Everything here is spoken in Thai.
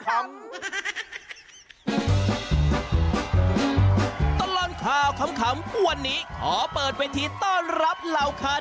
ตลาดข่าวขำวันนี้ขอเปิดวิธีต้อนรับเราค่ะ